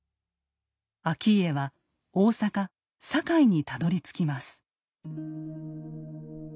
顕家は大阪・堺にたどりつきます。